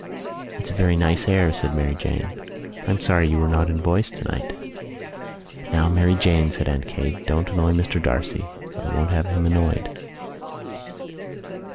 "It's a very nice air," said Mary Jane. "I'm sorry you were not in voice tonight." "Now, Mary Jane," said Aunt Kate, "don't annoy Mr D'Arcy. I won't have him annoyed."